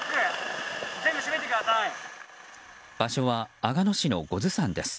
場所は阿賀野市の五頭山です。